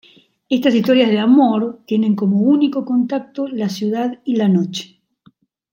Estas historias de amor, tienen como único contacto la ciudad y la noche.